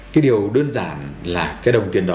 cái điều đơn giản là cái đồng tiền đó